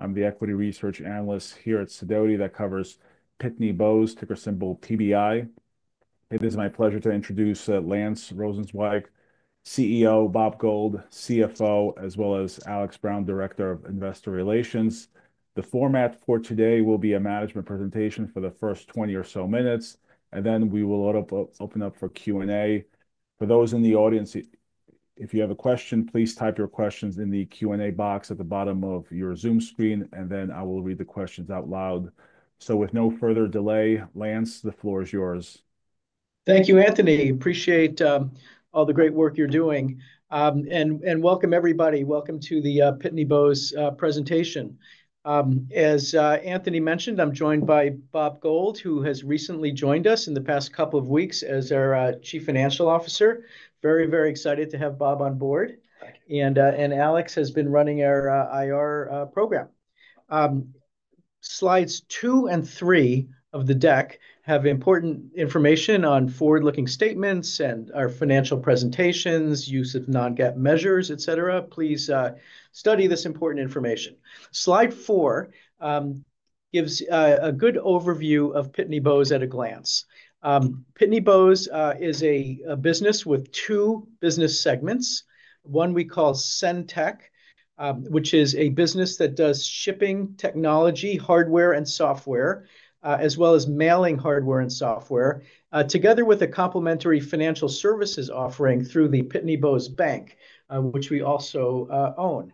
I'm the equity research analyst here at Sidoti that covers Pitney Bowes, ticker symbol PBI. It is my pleasure to introduce Lance Rosenzweig, CEO, Bob Gold, CFO, as well as Alex Brown, Director of Investor Relations. The format for today will be a management presentation for the first 20 or so minutes, and then we will open up for Q&A. For those in the audience, if you have a question, please type your questions in the Q&A box at the bottom of your Zoom screen, and then I will read the questions out loud. With no further delay, Lance, the floor is yours. Thank you, Anthony. Appreciate all the great work you're doing. Welcome, everybody. Welcome to the Pitney Bowes presentation. As Anthony mentioned, I'm joined by Bob Gold, who has recently joined us in the past couple of weeks as our Chief Financial Officer. Very, very excited to have Bob on board. Alex has been running our IR program. Slides two and three of the deck have important information on forward-looking statements and our financial presentations, use of non-GAAP measures, et cetera. Please study this important information. Slide four gives a good overview of Pitney Bowes at a glance. Pitney Bowes is a business with two business segments. One we call SendTech, which is a business that does shipping technology, hardware, and software, as well as mailing hardware and software, together with a complementary financial services offering through the Pitney Bowes Bank, which we also own.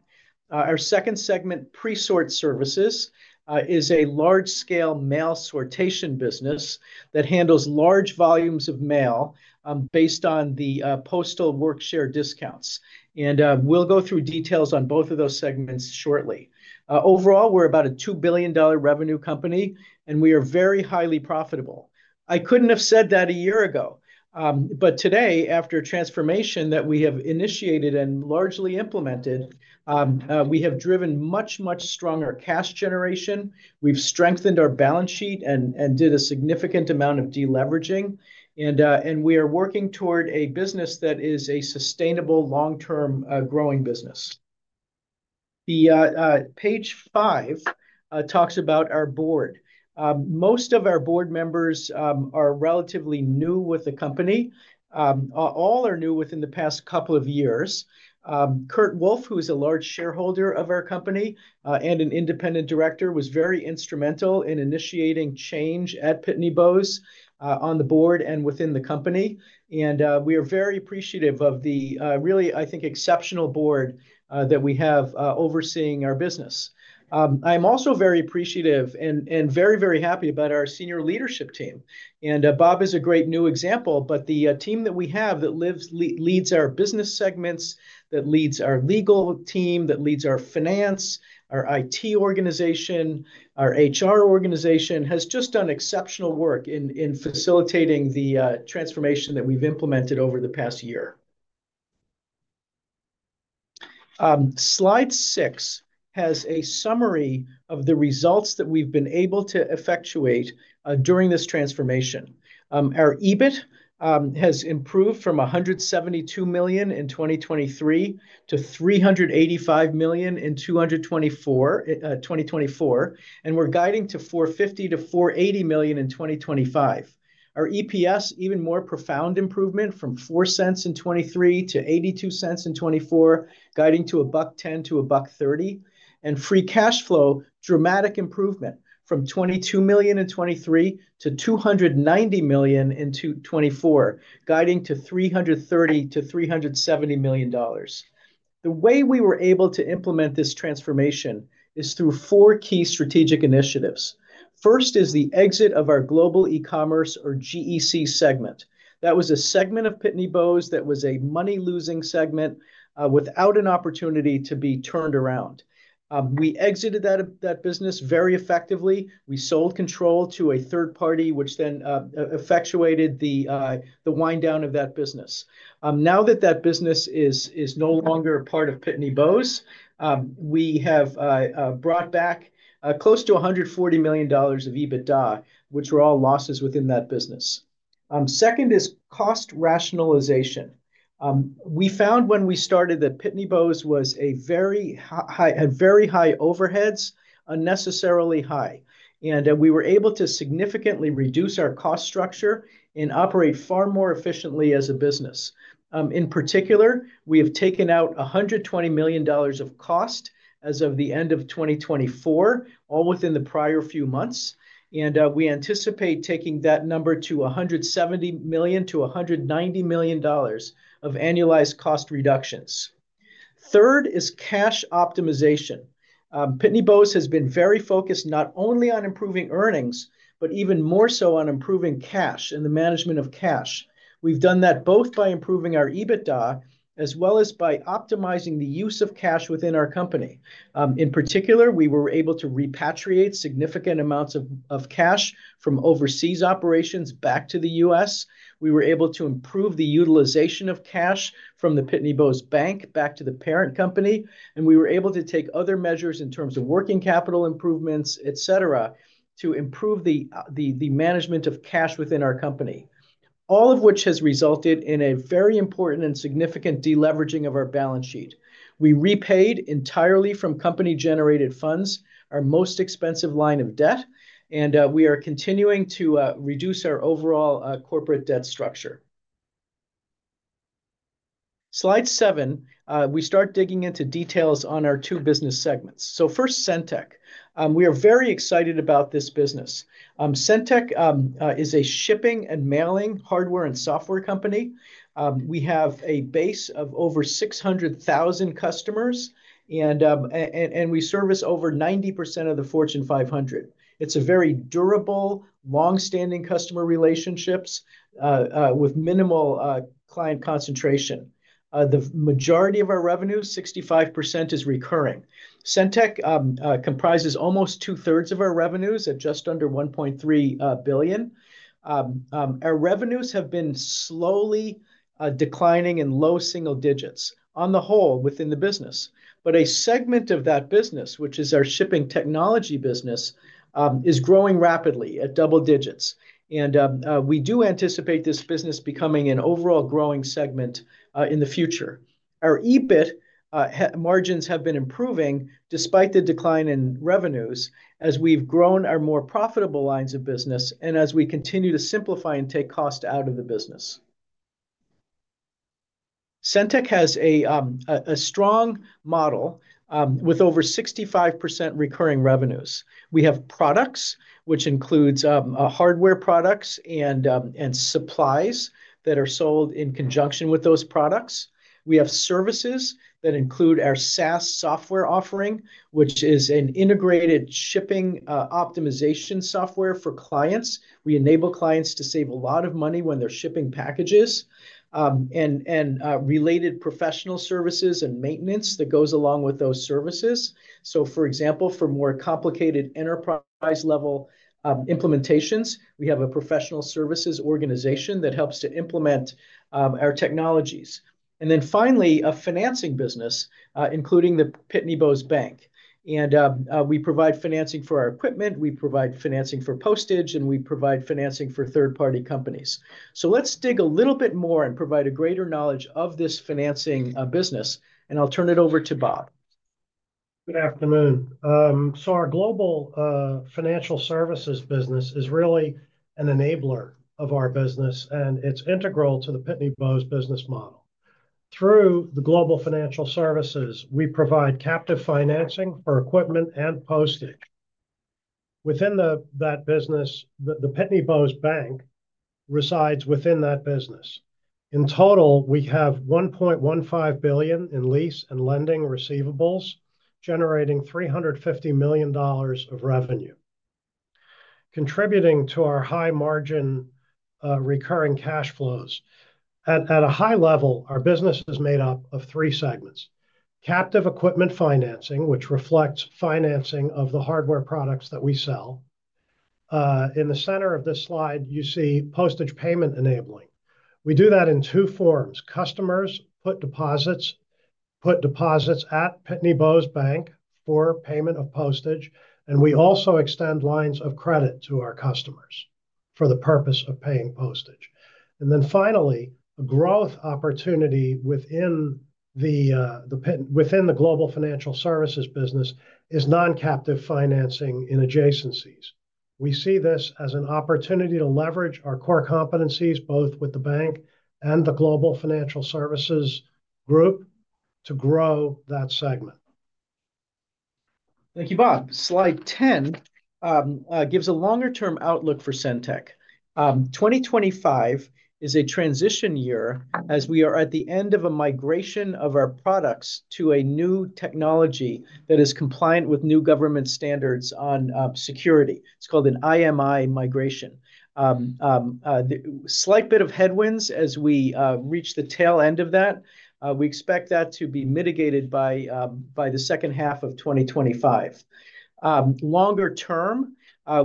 Our second segment, Presort Services, is a large-scale mail sortation business that handles large volumes of mail based on the postal workshare discounts. We will go through details on both of those segments shortly. Overall, we are about a $2 billion revenue company, and we are very highly profitable. I could not have said that a year ago. Today, after a transformation that we have initiated and largely implemented, we have driven much, much stronger cash generation. We have strengthened our balance sheet and did a significant amount of deleveraging. We are working toward a business that is a sustainable, long-term growing business. Page five talks about our board. Most of our board members are relatively new with the company. All are new within the past couple of years. Kurt Wolf, who is a large shareholder of our company and an independent director, was very instrumental in initiating change at Pitney Bowes on the board and within the company. We are very appreciative of the really, I think, exceptional board that we have overseeing our business. I am also very appreciative and very, very happy about our senior leadership team. Bob is a great new example. The team that we have that leads our business segments, that leads our legal team, that leads our finance, our IT organization, our HR organization, has just done exceptional work in facilitating the transformation that we have implemented over the past year. Slide six has a summary of the results that we have been able to effectuate during this transformation. Our EBIT has improved from $172 million in 2023 to $385 million in 2024, and we're guiding to $450 million-$480 million in 2025. Our EPS, even more profound improvement from $0.04 in 2023 to $0.82 in 2024, guiding to $1.10-$1.30. Free cash flow, dramatic improvement from $22 million in 2023 to $290 million in 2024, guiding to $330 million-$370 million. The way we were able to implement this transformation is through four key strategic initiatives. First is the exit of our Global Ecommerce, or GEC, segment. That was a segment of Pitney Bowes that was a money-losing segment without an opportunity to be turned around. We exited that business very effectively. We sold control to a third party, which then effectuated the wind down of that business. Now that that business is no longer part of Pitney Bowes, we have brought back close to $140 million of EBITDA, which were all losses within that business. Second is cost rationalization. We found when we started that Pitney Bowes had very high overheads, unnecessarily high. We were able to significantly reduce our cost structure and operate far more efficiently as a business. In particular, we have taken out $120 million of cost as of the end of 2024, all within the prior few months. We anticipate taking that number to $170 million-$190 million of annualized cost reductions. Third is cash optimization. Pitney Bowes has been very focused not only on improving earnings, but even more so on improving cash and the management of cash. We have done that both by improving our EBITDA as well as by optimizing the use of cash within our company. In particular, we were able to repatriate significant amounts of cash from overseas operations back to the U.S. We were able to improve the utilization of cash from the Pitney Bowes Bank, back to the parent company. We were able to take other measures in terms of working capital improvements, et cetera, to improve the management of cash within our company, all of which has resulted in a very important and significant deleveraging of our balance sheet. We repaid entirely from company-generated funds, our most expensive line of debt. We are continuing to reduce our overall corporate debt structure. Slide seven, we start digging into details on our two business segments. First, SendTech. We are very excited about this business. SendTech is a shipping and mailing hardware and software company. We have a base of over 600,000 customers, and we service over 90% of the Fortune 500. It's a very durable, long-standing customer relationship with minimal client concentration. The majority of our revenue, 65%, is recurring. SendTech comprises almost two-thirds of our revenues at just under $1.3 billion. Our revenues have been slowly declining in low single digits on the whole within the business. A segment of that business, which is our shipping technology business, is growing rapidly at double digits. We do anticipate this business becoming an overall growing segment in the future. Our EBIT margins have been improving despite the decline in revenues as we've grown our more profitable lines of business and as we continue to simplify and take cost out of the business. SendTech has a strong model with over 65% recurring revenues. We have products, which includes hardware products and supplies that are sold in conjunction with those products. We have services that include our SaaS software offering, which is an integrated shipping optimization software for clients. We enable clients to save a lot of money when they're shipping packages and related professional services and maintenance that goes along with those services. For example, for more complicated enterprise-level implementations, we have a professional services organization that helps to implement our technologies. Finally, a financing business, including the Pitney Bowes Bank. We provide financing for our equipment. We provide financing for postage, and we provide financing for third-party companies. Let's dig a little bit more and provide a greater knowledge of this financing business. I'll turn it over to Bob. Good afternoon. Our Global Financial Services business is really an enabler of our business, and it's integral to the Pitney Bowes business model. Through the Global Financial Services, we provide captive financing for equipment and postage. Within that business, the Pitney Bowes Bank resides within that business. In total, we have $1.15 billion in lease and lending receivables, generating $350 million of revenue, contributing to our high-margin recurring cash flows. At a high level, our business is made up of three segments: captive equipment financing, which reflects financing of the hardware products that we sell. In the center of this slide, you see postage payment enabling. We do that in two forms. Customers put deposits at Pitney Bowes Bank for payment of postage. We also extend lines of credit to our customers for the purpose of paying postage. A growth opportunity within the Global Financial Services business is non-captive financing in adjacencies. We see this as an opportunity to leverage our core competencies, both with the bank and the Global Financial Services group, to grow that segment. Thank you, Bob. Slide 10 gives a longer-term outlook for SendTech. 2025 is a transition year as we are at the end of a migration of our products to a new technology that is compliant with new government standards on security. It is called an IMI migration. Slight bit of headwinds as we reach the tail end of that. We expect that to be mitigated by the second half of 2025. Longer term,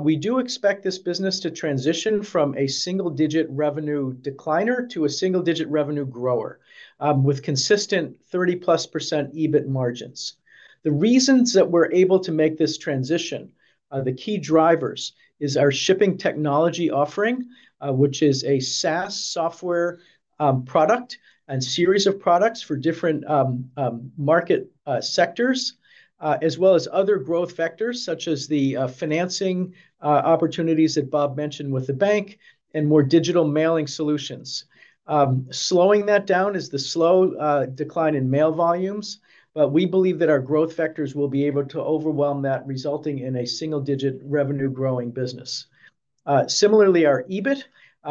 we do expect this business to transition from a single-digit revenue decliner to a single-digit revenue grower with consistent 30+% EBIT margins. The reasons that we are able to make this transition, the key drivers, are our shipping technology offering, which is a SaaS software product and series of products for different market sectors, as well as other growth factors such as the financing opportunities that Bob mentioned with the bank and more digital mailing solutions. Slowing that down is the slow decline in mail volumes. We believe that our growth factors will be able to overwhelm that, resulting in a single-digit revenue-growing business. Similarly, our EBIT,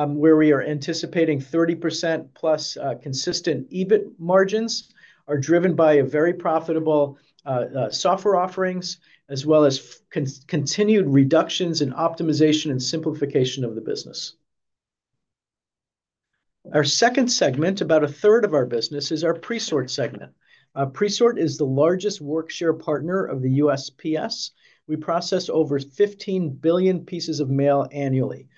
where we are anticipating 30%+ consistent EBIT margins, are driven by very profitable software offerings, as well as continued reductions in optimization and simplification of the business. Our second segment, about a third of our business, is our Presort Services segment. Presort is the largest work share partner of the USPS. We process over 15 billion pieces of mail annually.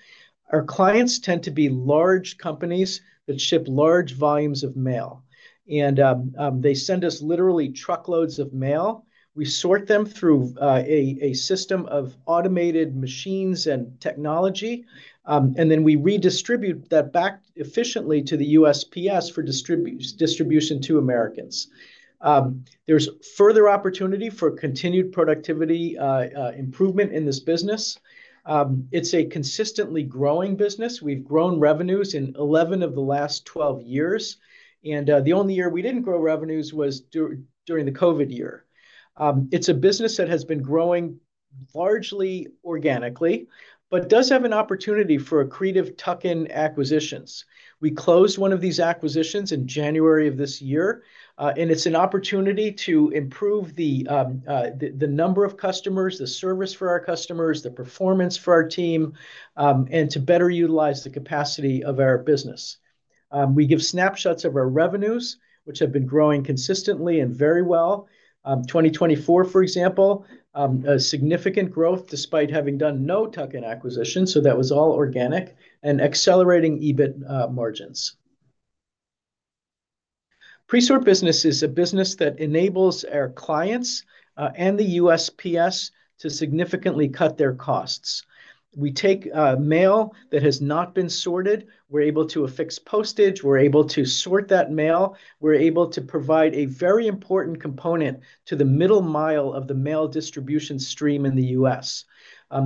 Our clients tend to be large companies that ship large volumes of mail. They send us literally truckloads of mail. We sort them through a system of automated machines and technology. We redistribute that back efficiently to the USPS for distribution to Americans. There is further opportunity for continued productivity improvement in this business. It's a consistently growing business. We've grown revenues in 11 of the last 12 years. The only year we didn't grow revenues was during the COVID year. It's a business that has been growing largely organically, but does have an opportunity for creative tuck-in acquisitions. We closed one of these acquisitions in January of this year. It's an opportunity to improve the number of customers, the service for our customers, the performance for our team, and to better utilize the capacity of our business. We give snapshots of our revenues, which have been growing consistently and very well. In 2024, for example, significant growth despite having done no tuck-in acquisitions. That was all organic and accelerating EBIT margins. Presort business is a business that enables our clients and the USPS to significantly cut their costs. We take mail that has not been sorted. We're able to affix postage. We're able to sort that mail. We're able to provide a very important component to the middle mile of the mail distribution stream in the U.S.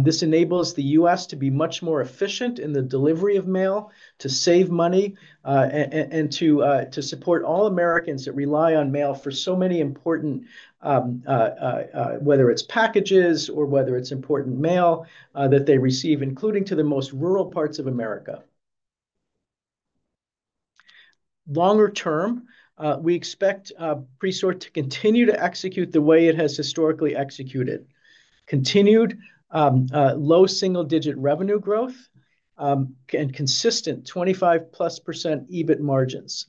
This enables the U.S. to be much more efficient in the delivery of mail, to save money, and to support all Americans that rely on mail for so many important, whether it's packages or whether it's important mail that they receive, including to the most rural parts of America. Longer term, we expect Presort to continue to execute the way it has historically executed: continued low single-digit revenue growth and consistent 25+% EBIT margins.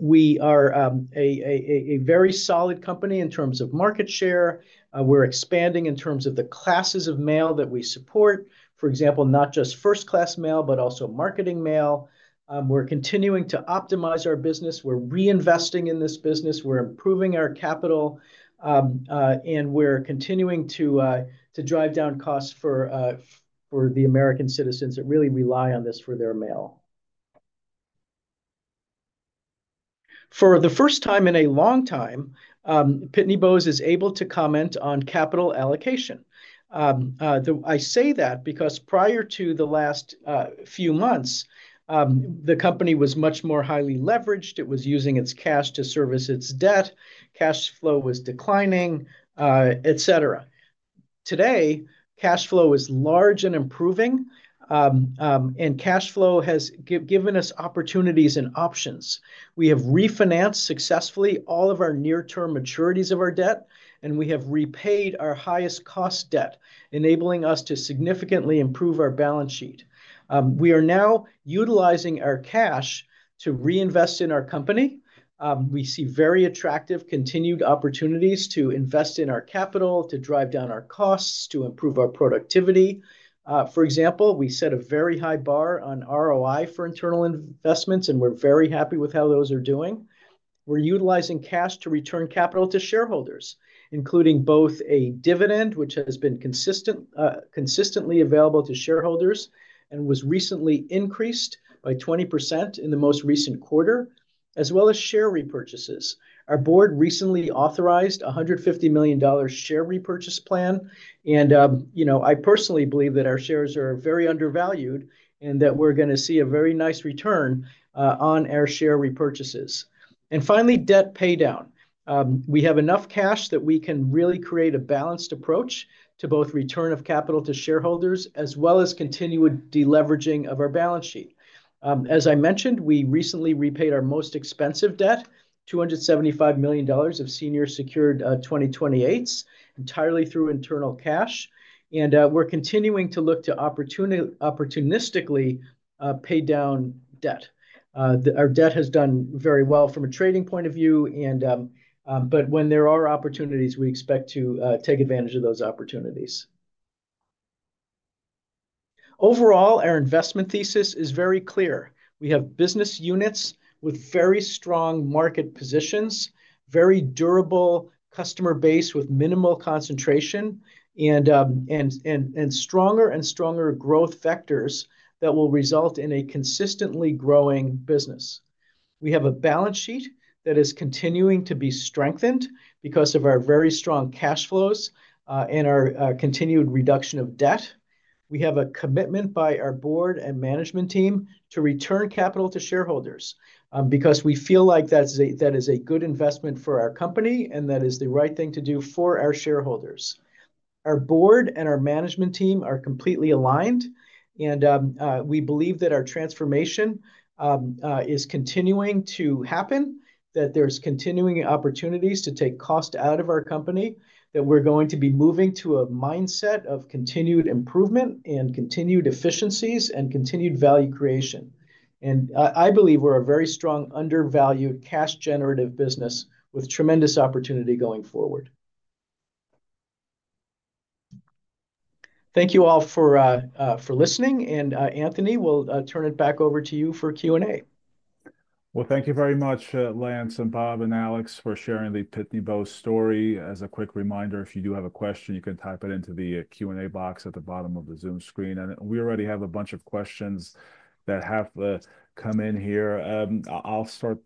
We are a very solid company in terms of market share. We're expanding in terms of the classes of mail that we support, for example, not just First-Class Mail, but also Marketing Mail. We're continuing to optimize our business. We're reinvesting in this business. We're improving our capital. We're continuing to drive down costs for the American citizens that really rely on this for their mail. For the first time in a long time, Pitney Bowes is able to comment on capital allocation. I say that because prior to the last few months, the company was much more highly leveraged. It was using its cash to service its debt. Cash flow was declining, et cetera. Today, cash flow is large and improving. Cash flow has given us opportunities and options. We have refinanced successfully all of our near-term maturities of our debt. We have repaid our highest-cost debt, enabling us to significantly improve our balance sheet. We are now utilizing our cash to reinvest in our company. We see very attractive continued opportunities to invest in our capital, to drive down our costs, to improve our productivity. For example, we set a very high bar on ROI for internal investments, and we're very happy with how those are doing. We're utilizing cash to return capital to shareholders, including both a dividend, which has been consistently available to shareholders and was recently increased by 20% in the most recent quarter, as well as share repurchases. Our board recently authorized a $150 million share repurchase plan. I personally believe that our shares are very undervalued and that we're going to see a very nice return on our share repurchases. Finally, debt paydown. We have enough cash that we can really create a balanced approach to both return of capital to shareholders as well as continued deleveraging of our balance sheet. As I mentioned, we recently repaid our most expensive debt, $275 million of senior secured 2028s, entirely through internal cash. We are continuing to look to opportunistically pay down debt. Our debt has done very well from a trading point of view. When there are opportunities, we expect to take advantage of those opportunities. Overall, our investment thesis is very clear. We have business units with very strong market positions, a very durable customer base with minimal concentration, and stronger and stronger growth factors that will result in a consistently growing business. We have a balance sheet that is continuing to be strengthened because of our very strong cash flows and our continued reduction of debt. We have a commitment by our board and management team to return capital to shareholders because we feel like that is a good investment for our company and that is the right thing to do for our shareholders. Our board and our management team are completely aligned. We believe that our transformation is continuing to happen, that there are continuing opportunities to take cost out of our company, that we are going to be moving to a mindset of continued improvement and continued efficiencies and continued value creation. I believe we are a very strong, undervalued cash-generative business with tremendous opportunity going forward. Thank you all for listening. Anthony, we will turn it back over to you for Q&A. Thank you very much, Lance and Bob and Alex, for sharing the Pitney Bowes story. As a quick reminder, if you do have a question, you can type it into the Q&A box at the bottom of the Zoom screen. We already have a bunch of questions that have come in here. I'll start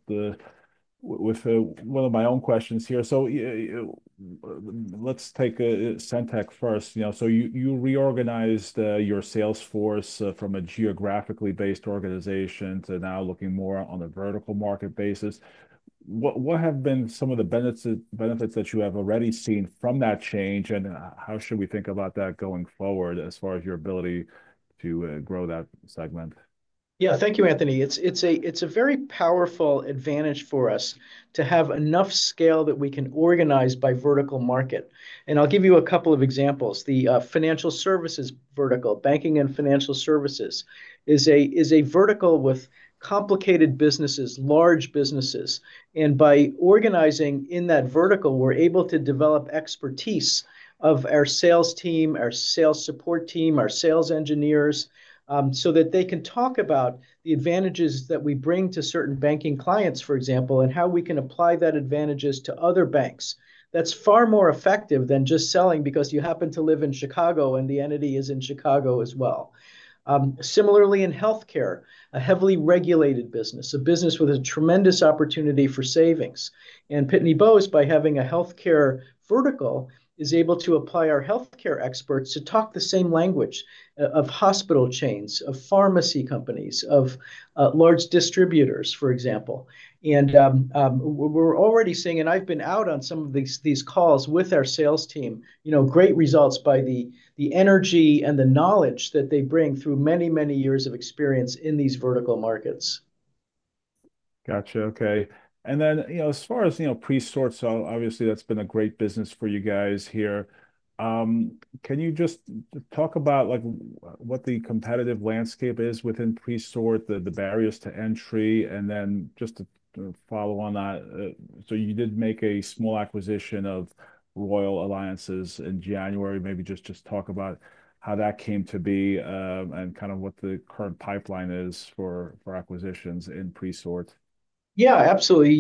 with one of my own questions here. Let's take SendTech first. You reorganized your sales force from a geographically based organization to now looking more on a vertical market basis. What have been some of the benefits that you have already seen from that change? How should we think about that going forward as far as your ability to grow that segment? Yeah, thank you, Anthony. It's a very powerful advantage for us to have enough scale that we can organize by vertical market. I'll give you a couple of examples. The financial services vertical, banking and financial services, is a vertical with complicated businesses, large businesses. By organizing in that vertical, we're able to develop expertise of our sales team, our sales support team, our sales engineers, so that they can talk about the advantages that we bring to certain banking clients, for example, and how we can apply that advantages to other banks. That's far more effective than just selling because you happen to live in Chicago and the entity is in Chicago as well. Similarly, in healthcare, a heavily regulated business, a business with a tremendous opportunity for savings. Pitney Bowes, by having a healthcare vertical, is able to apply our healthcare experts to talk the same language of hospital chains, of pharmacy companies, of large distributors, for example. We are already seeing, and I have been out on some of these calls with our sales team, great results by the energy and the knowledge that they bring through many, many years of experience in these vertical markets. Gotcha. Okay. As far as Presorts, obviously, that's been a great business for you guys here. Can you just talk about what the competitive landscape is within Presort, the barriers to entry, and then just to follow on that? You did make a small acquisition of Royal Alliances in January. Maybe just talk about how that came to be and kind of what the current pipeline is for acquisitions in pre-sort. Yeah, absolutely.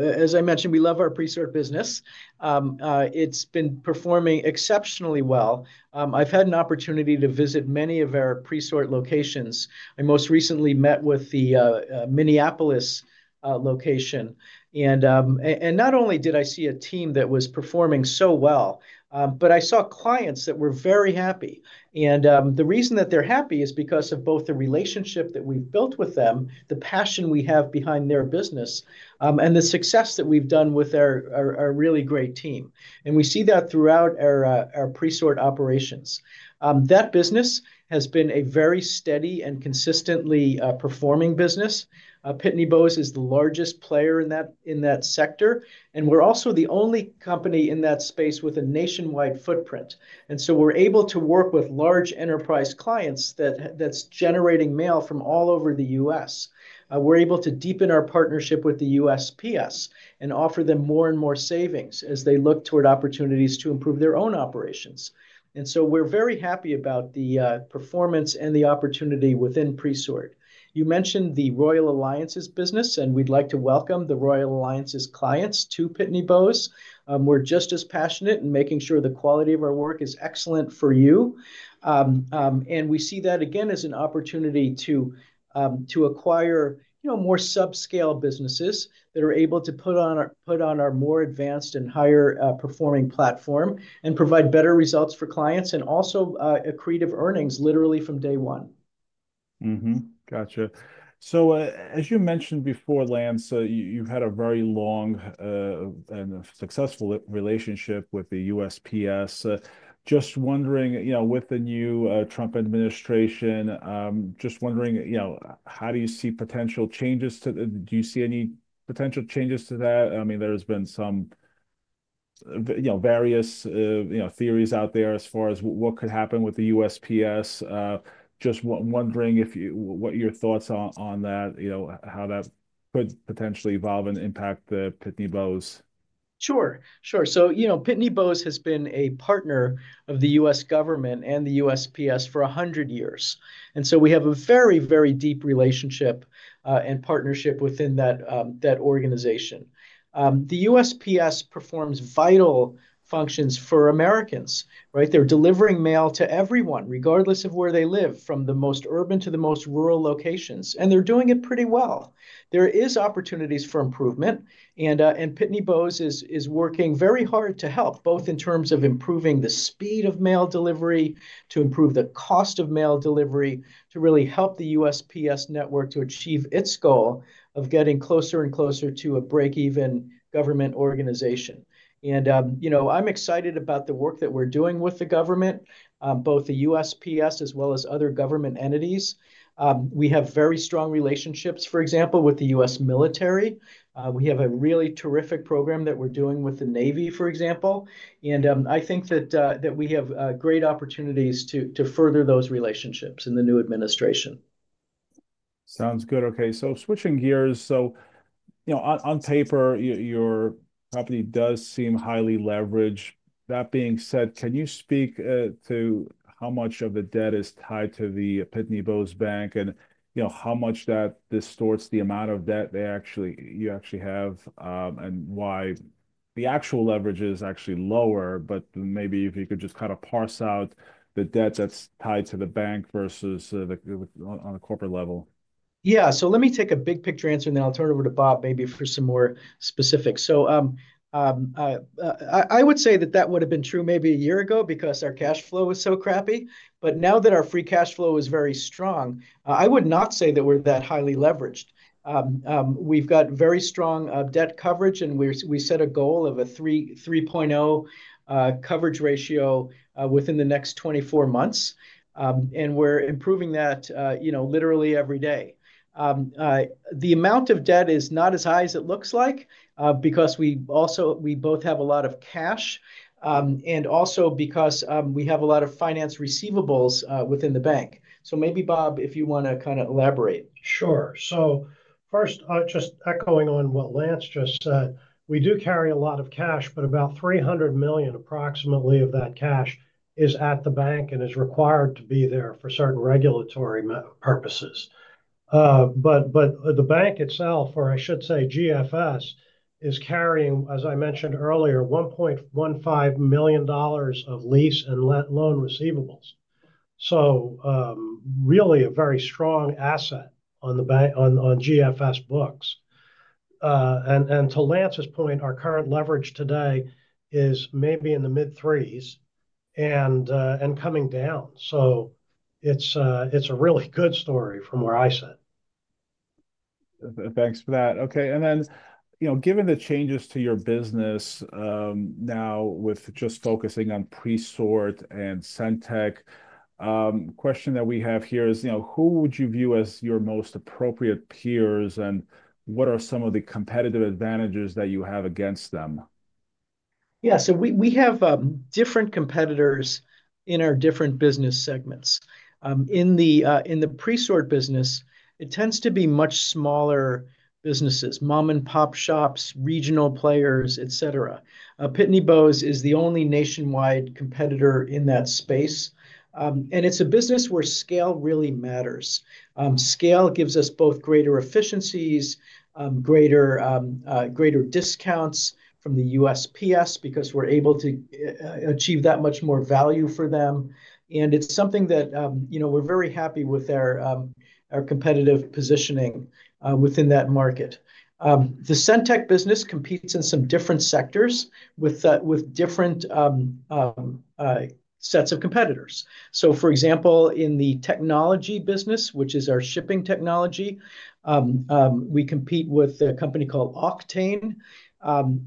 As I mentioned, we love our Presort business. It's been performing exceptionally well. I've had an opportunity to visit many of our Presort locations. I most recently met with the Minneapolis location. Not only did I see a team that was performing so well, I saw clients that were very happy. The reason that they're happy is because of both the relationship that we've built with them, the passion we have behind their business, and the success that we've done with our really great team. We see that throughout our Presort operations. That business has been a very steady and consistently performing business. Pitney Bowes is the largest player in that sector. We're also the only company in that space with a nationwide footprint. We are able to work with large enterprise clients that's generating mail from all over the U.S. We're able to deepen our partnership with the USPS and offer them more and more savings as they look toward opportunities to improve their own operations. We're very happy about the performance and the opportunity within Presort. You mentioned the Royal Alliances business, and we'd like to welcome the Royal Alliances clients to Pitney Bowes. We're just as passionate in making sure the quality of our work is excellent for you. We see that again as an opportunity to acquire more subscale businesses that are able to put on our more advanced and higher-performing platform and provide better results for clients and also accretive earnings literally from day one. Gotcha. As you mentioned before, Lance, you've had a very long and successful relationship with the USPS. Just wondering, with the new Trump administration, do you see any potential changes to that? I mean, there have been some various theories out there as far as what could happen with the USPS. Just wondering what your thoughts are on that, how that could potentially evolve and impact Pitney Bowes. Sure. Sure. Pitney Bowes has been a partner of the U.S. government and the USPS for 100 years. We have a very, very deep relationship and partnership within that organization. The USPS performs vital functions for Americans. They're delivering mail to everyone, regardless of where they live, from the most urban to the most rural locations. They're doing it pretty well. There are opportunities for improvement. Pitney Bowes is working very hard to help, both in terms of improving the speed of mail delivery, to improve the cost of mail delivery, to really help the USPS network to achieve its goal of getting closer and closer to a break-even government organization. I'm excited about the work that we're doing with the government, both the USPS as well as other government entities. We have very strong relationships, for example, with the U.S. military. We have a really terrific program that we're doing with the Navy, for example. I think that we have great opportunities to further those relationships in the new administration. Sounds good. Okay. Switching gears. On paper, your company does seem highly leveraged. That being said, can you speak to how much of the debt is tied to the Pitney Bowes Bank and how much that distorts the amount of debt you actually have and why the actual leverage is actually lower, but maybe if you could just kind of parse out the debt that's tied to the bank versus on a corporate level? Yeah. Let me take a big picture answer, and then I'll turn it over to Bob maybe for some more specifics. I would say that that would have been true maybe a year ago because our cash flow was so crappy. Now that our free cash flow is very strong, I would not say that we're that highly leveraged. We've got very strong debt coverage, and we set a goal of a 3.0 coverage ratio within the next 24 months. We're improving that literally every day. The amount of debt is not as high as it looks like because we both have a lot of cash and also because we have a lot of finance receivables within the bank. Maybe, Bob, if you want to kind of elaborate. Sure. First, just echoing on what Lance just said, we do carry a lot of cash, but about $300 million, approximately, of that cash is at the bank and is required to be there for certain regulatory purposes. The bank itself, or I should say GFS, is carrying, as I mentioned earlier, $1.15 billion of lease and loan receivables. It is really a very strong asset on GFS books. To Lance's point, our current leverage today is maybe in the mid-threes and coming down. It is a really good story from where I sit. Thanks for that. Okay. Given the changes to your business now with just focusing on Presort and SendTech, the question that we have here is, who would you view as your most appropriate peers, and what are some of the competitive advantages that you have against them? Yeah. We have different competitors in our different business segments. In the Presort business, it tends to be much smaller businesses, mom-and-pop shops, regional players, etc. Pitney Bowes is the only nationwide competitor in that space. It is a business where scale really matters. Scale gives us both greater efficiencies, greater discounts from the USPS because we are able to achieve that much more value for them. It is something that we are very happy with, our competitive positioning within that market. The SendTech business competes in some different sectors with different sets of competitors. For example, in the technology business, which is our shipping technology, we compete with a company called Auctane.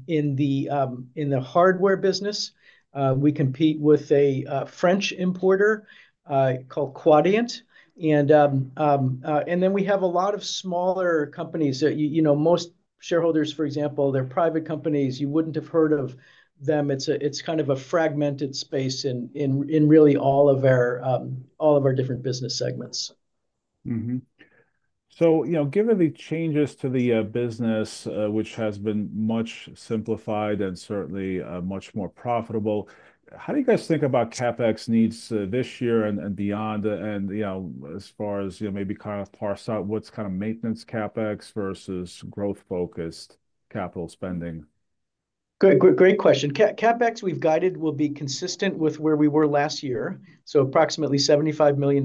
In the hardware business, we compete with a French importer called Quadient. We have a lot of smaller companies. Most shareholders, for example, they are private companies. You would not have heard of them. It's kind of a fragmented space in really all of our different business segments. Given the changes to the business, which has been much simplified and certainly much more profitable, how do you guys think about CapEx needs this year and beyond? As far as maybe kind of parse out what's kind of maintenance CapEx versus growth-focused capital spending? Great question. CapEx we've guided will be consistent with where we were last year, so approximately $75 million.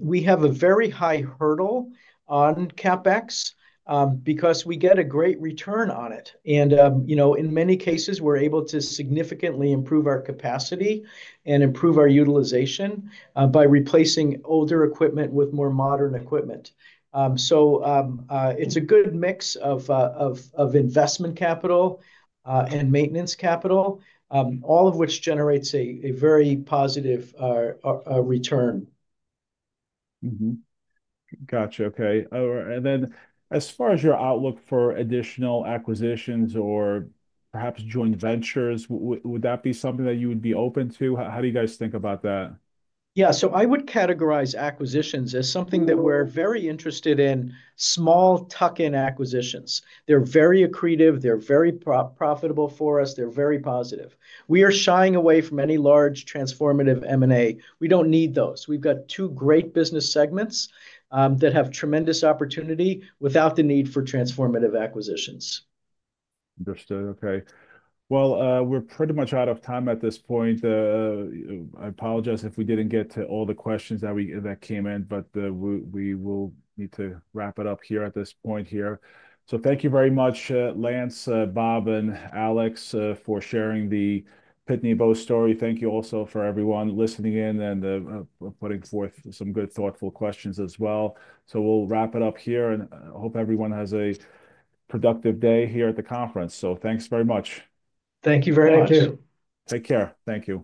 We have a very high hurdle on CapEx because we get a great return on it. In many cases, we're able to significantly improve our capacity and improve our utilization by replacing older equipment with more modern equipment. It is a good mix of investment capital and maintenance capital, all of which generates a very positive return. Gotcha. Okay. As far as your outlook for additional acquisitions or perhaps joint ventures, would that be something that you would be open to? How do you guys think about that? Yeah. I would categorize acquisitions as something that we're very interested in, small tuck-in acquisitions. They're very accretive. They're very profitable for us. They're very positive. We are shying away from any large transformative M&A. We don't need those. We've got two great business segments that have tremendous opportunity without the need for transformative acquisitions. Understood. Okay. We are pretty much out of time at this point. I apologize if we did not get to all the questions that came in, but we will need to wrap it up here at this point. Thank you very much, Lance, Bob, and Alex for sharing the Pitney Bowes story. Thank you also to everyone listening in and putting forth some good thoughtful questions as well. We will wrap it up here, and I hope everyone has a productive day here at the conference. Thanks very much. Thank you very much. Thank you. Take care. Thank you.